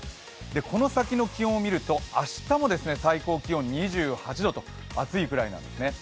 この先の気温を見ると明日も最高気温２８度と暑いくらいなんですね。